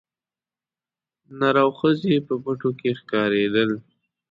نر او ښځي په پټو کښي ښکارېدل